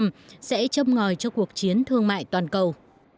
tổng thống donald trump sẽ châm ngòi cho cuộc chiến thương mại toàn cầu